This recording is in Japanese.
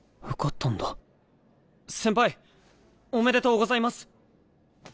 先輩おめでとうございます！